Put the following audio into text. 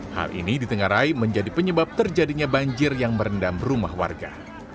hal ini di tengah rai menjadi penyebab terjadinya banjir yang merendam rumah warga